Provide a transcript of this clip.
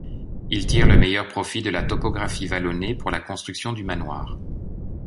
Il tire le meilleur profit de la topographie vallonnée pour la construction du manoir.